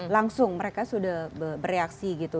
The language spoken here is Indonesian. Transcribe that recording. langsung mereka sudah bereaksi gitu